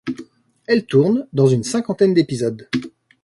Elle tourne dans une cinquantaine d'épisodes.